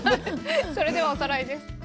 それではおさらいです。